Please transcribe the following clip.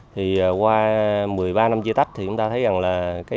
thì qua một mươi ba năm chia tách thì chúng ta thấy rằng là